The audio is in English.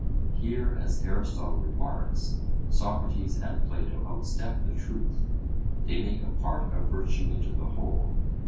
Here, as Aristotle remarks, Socrates and Plato outstep the truth they make a part of virtue into the whole.